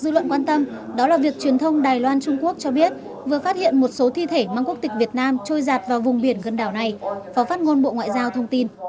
dư luận quan tâm đó là việc truyền thông đài loan trung quốc cho biết vừa phát hiện một số thi thể mang quốc tịch việt nam trôi giạt vào vùng biển gần đảo này phó phát ngôn bộ ngoại giao thông tin